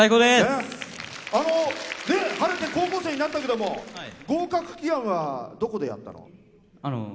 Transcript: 晴れて高校生になったけれども合格祈願は、どこでやったの？